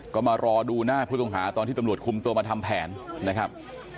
ก็มารอดูหน้าผู้ต้องหาตอนที่ตำรวจคุมตัวมาทำแผนนะครับ